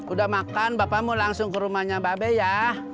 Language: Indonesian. udah makan bapak mau langsung ke rumahnya bapak ya